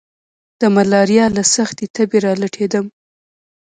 د ملاريا له سختې تبي را لټېدم.